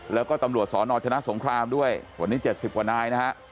แล้วก็ตำรวจสนชนะสงครามด้วยวันนี้๗๐กว่านายนะฮะ